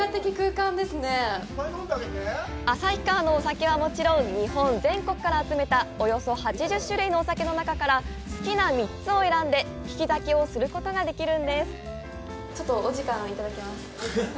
旭川のお酒はもちろん、日本全国から集めたおよそ８０種類のお酒の中から好きな３つを選んで、利き酒をすることができるんです！